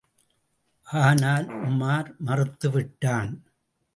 ஆனால், உமார் மறுத்து விட்டான்.